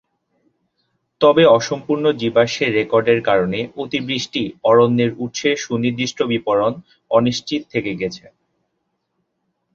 তবে অসম্পূর্ণ জীবাশ্মের রেকর্ডের কারণে অতিবৃষ্টি অরণ্যের উৎসের সুনির্দিষ্ট বিবরণ অনিশ্চিত থেকে গেছে।